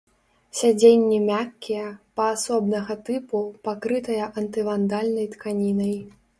Сядзенні мяккія, паасобнага тыпу, пакрытыя антывандальнай тканінай.